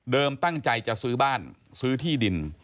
ตั้งใจจะซื้อบ้านซื้อที่ดิน